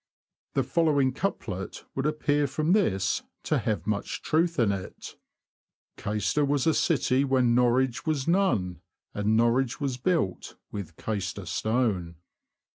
The following couplet would appear from this to have much truth in it: — Caister was a city when Norwich was none, And Norwich was built with Caister stone.